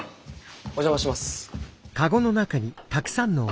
お邪魔します。